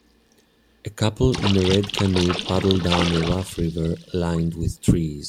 A couple in a red canoe paddle down a rough river lined with trees.